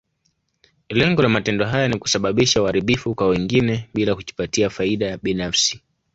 Lengo la matendo haya ni kusababisha uharibifu kwa wengine, bila kujipatia faida binafsi.